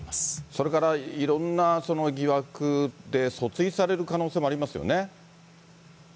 それから、いろんな疑惑で訴追される可能性もありますよね。